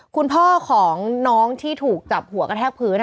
คุณพ่อของน้องที่ถูกจับหัวกระแทกพื้น